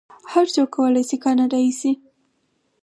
هر څوک کولی شي کاناډایی شي.